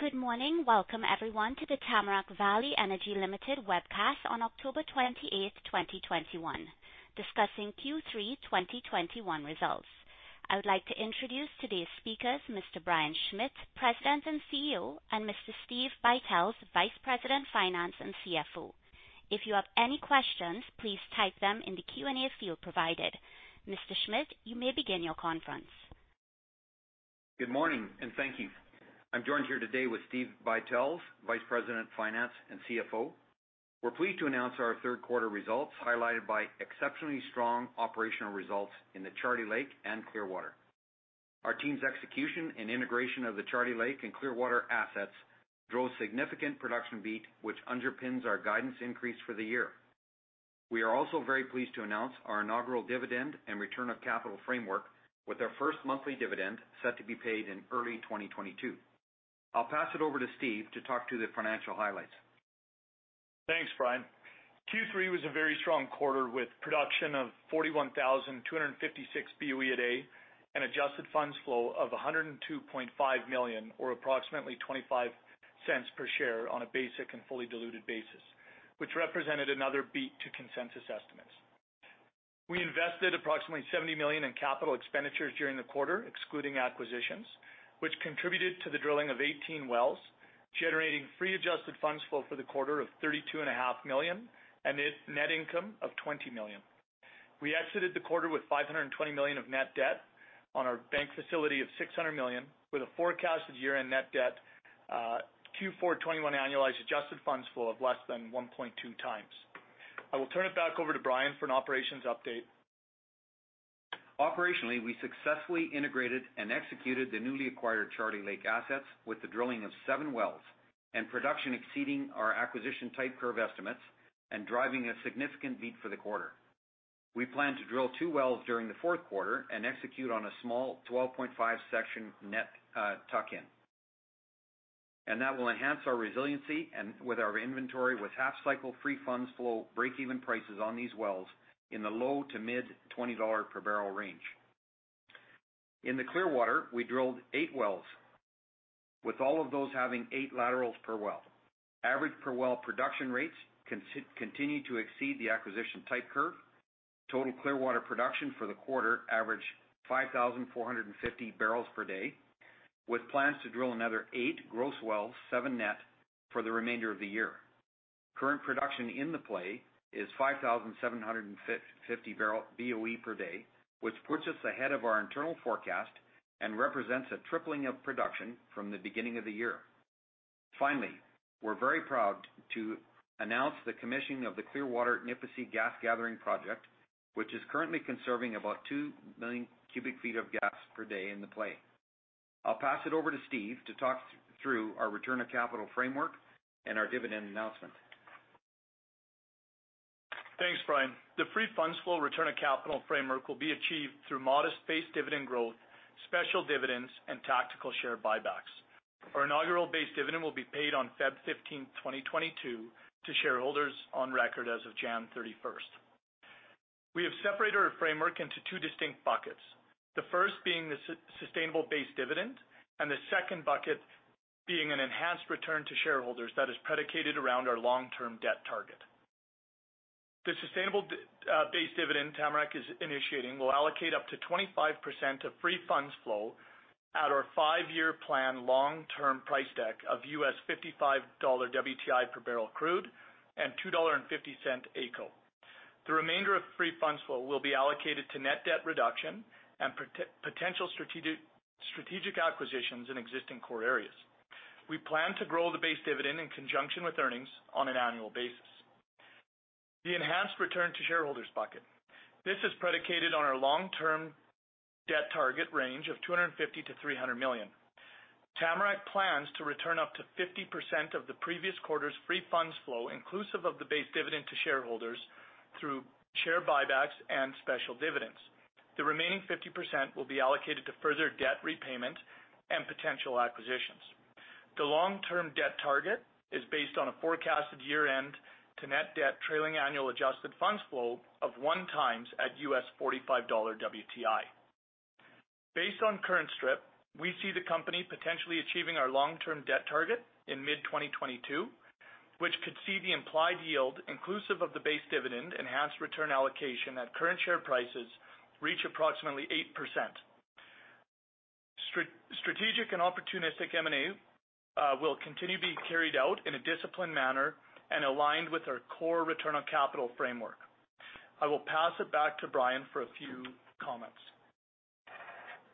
Good morning. Welcome, everyone, to the Tamarack Valley Energy Limited webcast on October 28, 2021, discussing Q3 2021 results. I would like to introduce today's speakers, Mr. Brian Schmidt, President and CEO, and Mr. Steve Buytels, Vice President, Finance and CFO. If you have any questions, please type them in the Q&A field provided. Mr. Schmidt, you may begin your conference. Good morning, and thank you. I'm joined here today with Steve Buytels, Vice President, Finance and CFO. We're pleased to announce our third quarter results, highlighted by exceptionally strong operational results in the Charlie Lake and Clearwater. Our team's execution and integration of the Charlie Lake and Clearwater assets drove significant production beat, which underpins our guidance increase for the year. We are also very pleased to announce our inaugural dividend and return of capital framework with our first monthly dividend set to be paid in early 2022. I'll pass it over to Steve to talk through the financial highlights. Thanks, Brian. Q3 was a very strong quarter with production of 41,256 BOE a day and adjusted funds flow of 102.5 million, or approximately 0.25 per share on a basic and fully diluted basis, which represented another beat to consensus estimates. We invested approximately 70 million in capital expenditures during the quarter, excluding acquisitions, which contributed to the drilling of 18 wells, generating free adjusted funds flow for the quarter of 32.5 million, and net income of 20 million. We exited the quarter with 520 million of net debt on our bank facility of 600 million, with a forecasted year-end net debt, Q4 2021 annualized adjusted funds flow of less than 1.2x. I will turn it back over to Brian for an operations update. Operationally, we successfully integrated and executed the newly acquired Charlie Lake assets with the drilling of seven wells and production exceeding our acquisition type curve estimates and driving a significant beat for the quarter. We plan to drill two wells during the fourth quarter and execute on a small 12.5 section net tuck-in. That will enhance our resiliency and with our inventory with half-cycle free funds flow break-even prices on these wells in the low-to-mid-$20-per-barrel range. In the Clearwater, we drilled eight wells, with all of those having eight laterals per well. Average per well production rates continue to exceed the acquisition type curve. Total Clearwater production for the quarter averaged 5,450 barrels per day, with plans to drill another eight gross wells, seven net, for the remainder of the year. Current production in the play is 5,750 BOE per day, which puts us ahead of our internal forecast and represents a tripling of production from the beginning of the year. Finally, we're very proud to announce the commissioning of the Clearwater Nipisi Gas Gathering Project, which is currently conserving about 2 million cubic feet of gas per day in the play. I'll pass it over to Steve to talk through our return on capital framework and our dividend announcement. Thanks, Brian. The free funds flow return on capital framework will be achieved through modest base dividend growth, special dividends, and tactical share buybacks. Our inaugural base dividend will be paid on February 15, 2022 to shareholders on record as of January 31st. We have separated our framework into two distinct buckets, the first being the sustainable base dividend and the second bucket being an enhanced return to shareholders that is predicated around our long-term debt target. The sustainable base dividend Tamarack is initiating will allocate up to 25% of free funds flow at our five-year plan long-term price deck of $55 WTI per barrel crude and $2.50 AECO. The remainder of free funds flow will be allocated to net debt reduction and potential strategic acquisitions in existing core areas. We plan to grow the base dividend in conjunction with earnings on an annual basis. The enhanced return to shareholders bucket. This is predicated on our long-term debt target range of 250 million-300 million. Tamarack plans to return up to 50% of the previous quarter's free funds flow, inclusive of the base dividend to shareholders through share buybacks and special dividends. The remaining 50% will be allocated to further debt repayment and potential acquisitions. The long-term debt target is based on a forecasted year-end net debt to trailing annual adjusted funds flow of 1x at $45 WTI. Based on current strip, we see the company potentially achieving our long-term debt target in mid-2022, which could see the implied yield inclusive of the base dividend enhanced return allocation at current share prices reach approximately 8%. Strategic and opportunistic M&A will continue being carried out in a disciplined manner and aligned with our core return on capital framework. I will pass it back to Brian for a few comments.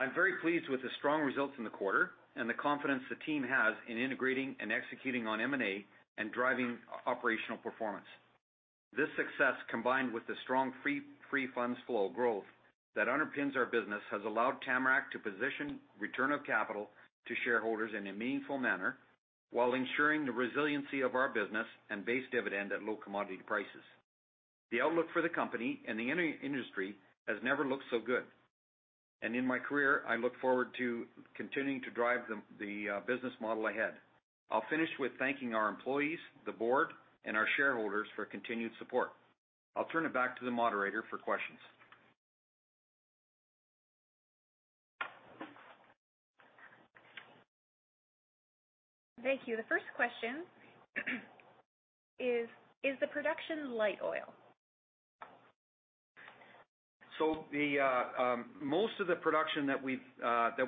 I'm very pleased with the strong results in the quarter and the confidence the team has in integrating and executing on M&A and driving operational performance. This success, combined with the strong free funds flow growth that underpins our business, has allowed Tamarack to position return of capital to shareholders in a meaningful manner while ensuring the resiliency of our business and base dividend at low commodity prices. The outlook for the company and the in-industry has never looked so good. In my career, I look forward to continuing to drive the business model ahead. I'll finish with thanking our employees, the board, and our shareholders for continued support. I'll turn it back to the moderator for questions. Thank you. The first question is the production light oil? The most of the production that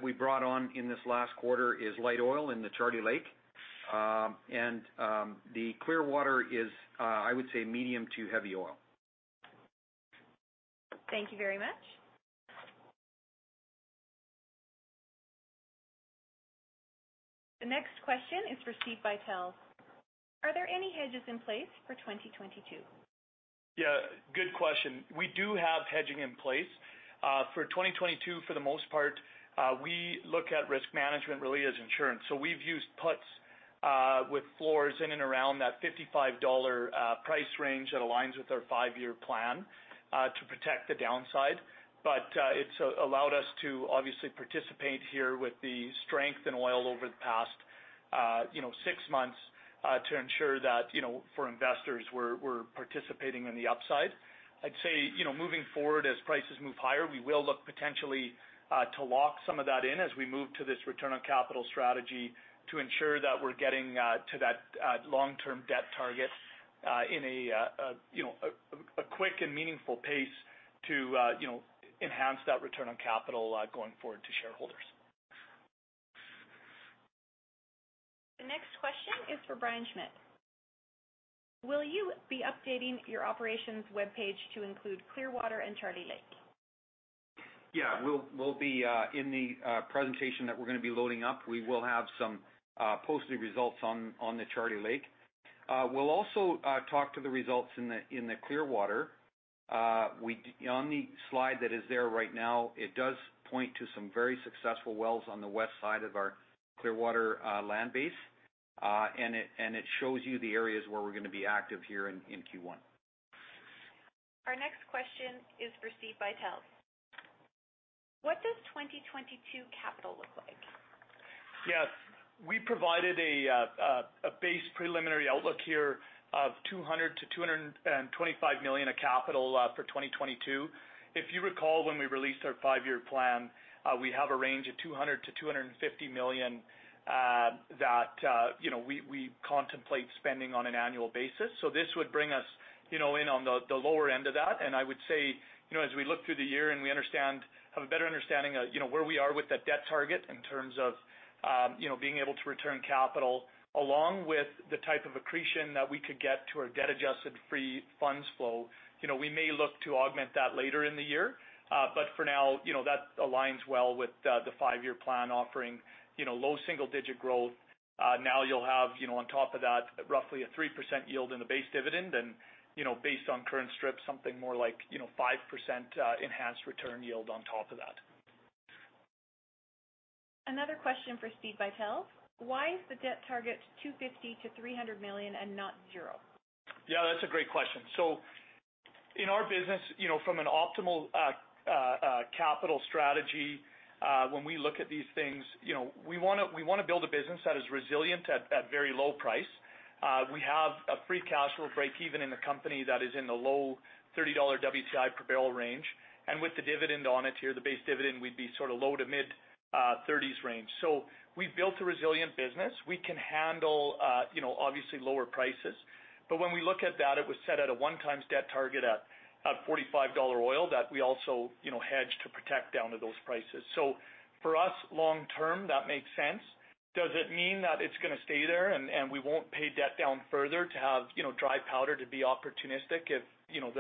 we brought on in this last quarter is light oil in the Charlie Lake. The Clearwater is, I would say, medium to heavy oil. Thank you very much. The next question is for Steve Buytels. Are there any hedges in place for 2022? Yeah, good question. We do have hedging in place for 2022 for the most part. We look at risk management really as insurance. So we've used puts with floors in and around that $55 price range that aligns with our five-year plan to protect the downside. But it's allowed us to obviously participate here with the strength in oil over the past you know six months to ensure that you know for investors we're participating on the upside. I'd say, you know, moving forward as prices move higher, we will look potentially to lock some of that in as we move to this return on capital strategy to ensure that we're getting to that long-term debt target in a quick and meaningful pace to you know enhance that return on capital going forward to shareholders. The next question is for Brian Schmidt. Will you be updating your operations webpage to include Clearwater and Charlie Lake? In the presentation that we're gonna be loading up, we will have some posted results on the Charlie Lake. We'll also talk to the results in the Clearwater. On the slide that is there right now, it does point to some very successful wells on the west side of our Clearwater land base. And it shows you the areas where we're gonna be active here in Q1. Our next question is for Steve Buytels. What does 2022 capital look like? Yes. We provided a base preliminary outlook here of 200-225 million of capital for 2022. If you recall, when we released our five-year plan, we have a range of 200-250 million that you know we contemplate spending on an annual basis. This would bring us you know in on the lower end of that. I would say you know as we look through the year and we have a better understanding of you know where we are with the debt target in terms of you know being able to return capital, along with the type of accretion that we could get to our debt-adjusted free funds flow. You know, we may look to augment that later in the year. For now, you know, that aligns well with the five-year plan offering, you know, low single-digit growth. Now you'll have, you know, on top of that, roughly a 3% yield in the base dividend and, you know, based on current strip, something more like, you know, 5%, enhanced return yield on top of that. Another question for Steve Buytels. Why is the debt target 250 million-300 million and not zero? Yeah, that's a great question. In our business, you know, from an optimal capital strategy, when we look at these things, you know, we wanna build a business that is resilient at very low price. We have a free funds flow breakeven in a company that is in the low $30 WTI per barrel range. With the dividend on it here, the base dividend, we'd be sort of low-to-mid $30s range. We've built a resilient business. We can handle, you know, obviously lower prices. When we look at that, it was set at a 1x debt target at $45 oil that we also, you know, hedged to protect down to those prices. For us long term, that makes sense. Does it mean that it's gonna stay there and we won't pay debt down further to have, you know, dry powder to be opportunistic if, you know,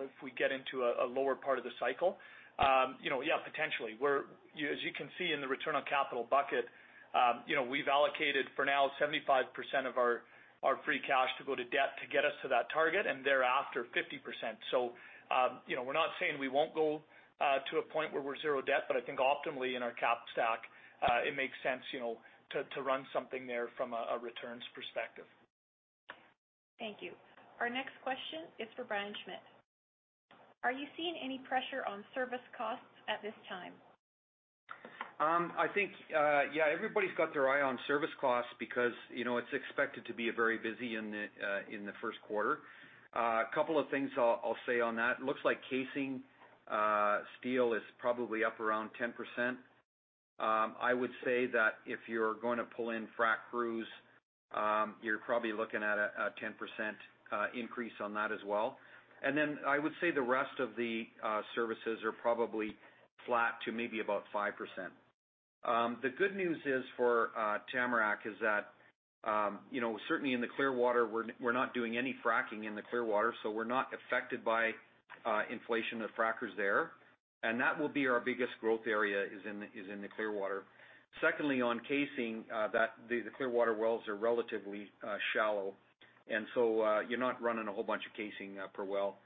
if we get into a lower part of the cycle? You know, yeah, potentially. As you can see in the return on capital bucket, you know, we've allocated for now 75% of our free cash to go to debt to get us to that target, and thereafter, 50%. You know, we're not saying we won't go to a point where we're zero debt, but I think optimally in our cap stack, it makes sense, you know, to run something there from a returns perspective. Thank you. Our next question is for Brian Schmidt. Are you seeing any pressure on service costs at this time? I think, yeah, everybody's got their eye on service costs because, you know, it's expected to be very busy in the first quarter. A couple of things I'll say on that. Looks like casing steel is probably up around 10%. I would say that if you're gonna pull in frac crews, you're probably looking at a 10% increase on that as well. I would say the rest of the services are probably flat to maybe about 5%. The good news is for Tamarack is that, you know, certainly in the Clearwater, we're not doing any fracking in the Clearwater, so we're not affected by inflation of frackers there. That will be our biggest growth area, is in the Clearwater. Secondly, on casing, the Clearwater wells are relatively shallow, and so, you're not running a whole bunch of casing per well.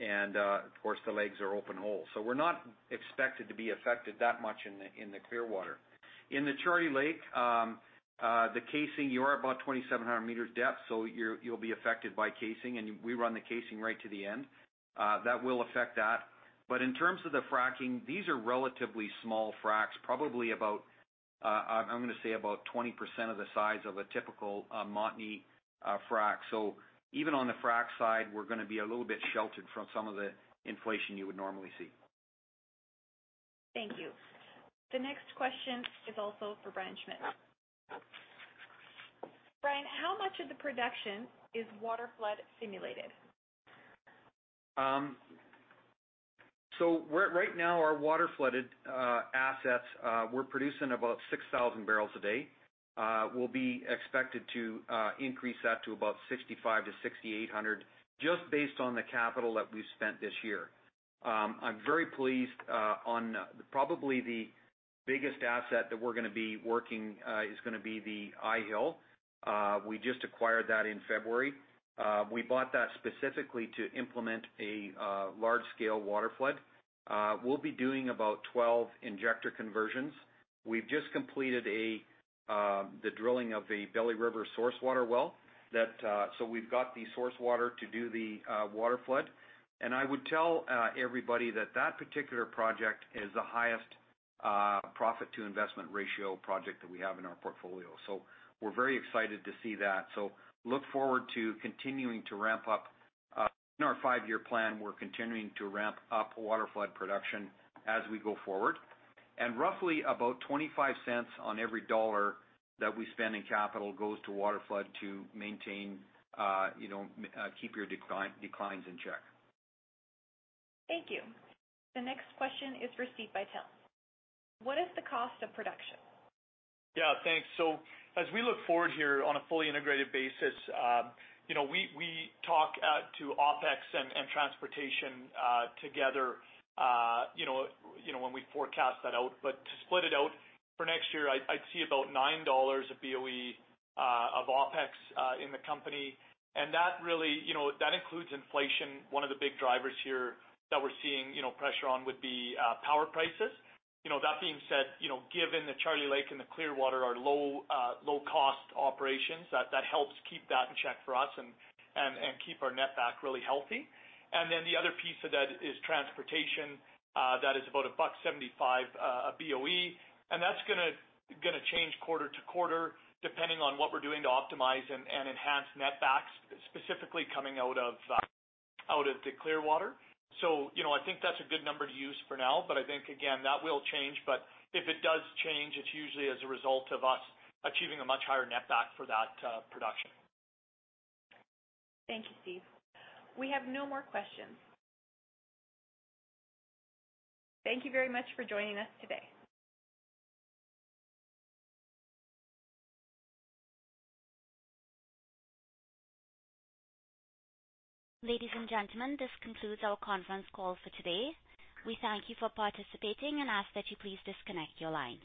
Of course, the legs are open hole. We're not expected to be affected that much in the Clearwater. In the Charlie Lake, the casing, you are about 2,700 meters depth, so you'll be affected by casing, and we run the casing right to the end. That will affect that. But in terms of the fracking, these are relatively small fracs, probably about, I'm gonna say about 20% of the size of a typical Montney frac. Even on the frac side, we're gonna be a little bit sheltered from some of the inflation you would normally see. Thank you. The next question is also for Brian Schmidt. Brian, how much of the production is waterflood simulated? Right now, our waterflooded assets, we're producing about 6,000 barrels a day. We'll be expected to increase that to about 6,500-6,800 just based on the capital that we've spent this year. I'm very pleased. On probably the biggest asset that we're gonna be working is gonna be the Nipisi. We just acquired that in February. We bought that specifically to implement a large scale waterflood. We'll be doing about 12 injector conversions. We've just completed the drilling of the Belly River source water well that. We've got the source water to do the waterflood. I would tell everybody that that particular project is the highest profit-to-investment ratio project that we have in our portfolio. We're very excited to see that. Look forward to continuing to ramp up in our five-year plan. We're continuing to ramp up waterflood production as we go forward. Roughly about $0.25 On every dollar that we spend in capital goes to waterflood to maintain, you know, keep your declines in check. Thank you. The next question is for Steve Buytels. What is the cost of production? Yeah, thanks. As we look forward here on a fully integrated basis, you know, we talk to OpEx and transportation together, you know, when we forecast that out. To split it out for next year, I'd see about 9 dollars a BOE of OpEx in the company. That really, you know, that includes inflation. One of the big drivers here that we're seeing, you know, pressure on would be power prices. You know, that being said, you know, given the Charlie Lake and the Clearwater are low cost operations, that helps keep that in check for us and keep our netback really healthy. Then the other piece of that is transportation. That is about 1.75 a BOE, and that's gonna change quarter to quarter depending on what we're doing to optimize and enhance netbacks, specifically coming out of the Clearwater. You know, I think that's a good number to use for now, but I think again, that will change. If it does change, it's usually as a result of us achieving a much higher netback for that production. Thank you, Steve. We have no more questions. Thank you very much for joining us today. Ladies and gentlemen, this concludes our conference call for today. We thank you for participating and ask that you please disconnect your lines.